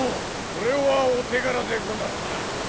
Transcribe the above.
これはお手柄でござったな。